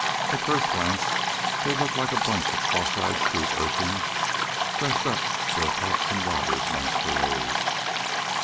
At first glance they looked like a bunch of cross eyed street urchins dressed up for a cops and robbers masquerade.